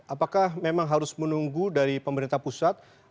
apakah memang harus menunggu dari pemerintah pusat